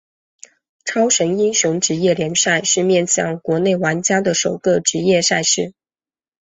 超神英雄职业联赛是面向国内玩家的首个职业赛事。